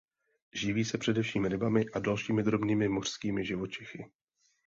Živí se především rybami a dalšími drobnými mořskými živočichy.